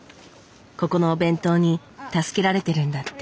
ここのお弁当に助けられてるんだって。